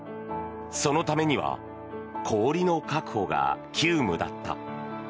そのためには氷の確保が急務だった。